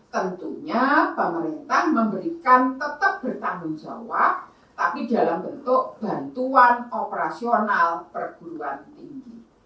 tentunya pemerintah memberikan tetap bertanggung jawab tapi dalam bentuk bantuan operasional perguruan tinggi